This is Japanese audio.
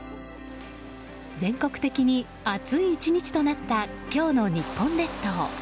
全国的に暑い１日となった今日の日本列島。